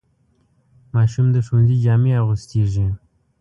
ماشوم د ښوونځي جامې اغوستېږي.